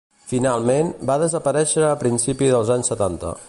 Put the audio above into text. Finalment, va desaparèixer a principis dels anys setanta.